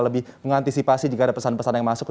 lebih mengantisipasi jika ada pesan pesan yang masuk